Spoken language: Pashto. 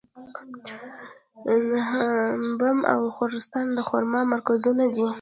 بم او خوزستان د خرما مرکزونه دي.